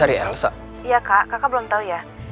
iya kak kakak belum tau ya